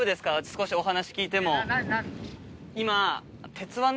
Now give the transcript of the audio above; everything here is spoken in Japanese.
少しお話聞いても。